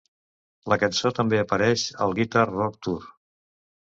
La cançó també apareix al Guitar Rock Tour.